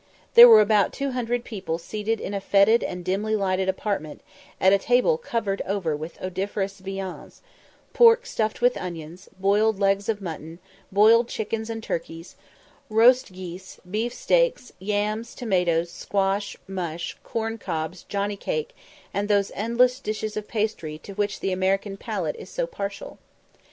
There were about 200 people seated in a fetid and dimly lighted apartment, at a table covered over with odoriferous viands pork stuffed with onions, boiled legs of mutton, boiled chickens and turkeys, roast geese, beef steaks, yams, tomatoes, squash, mush, corn cobs, johnny cake, and those endless dishes of pastry to which the American palate is so partial.